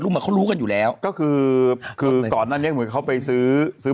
ลุมเขารู้กันอยู่แล้วก็คือก่อนนั้นยังเหมือนเขาไปซื้อซื้อ